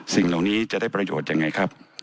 สิ่งเหล่านี้จะได้ประโยชน์ยังไงครับ